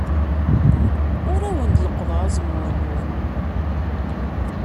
Ur awen-d-leqqḍeɣ azemmur-nwen.